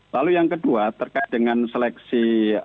lalu yang kedua terkait dengan seleksi